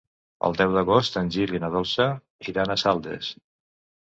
El deu d'agost en Gil i na Dolça iran a Saldes.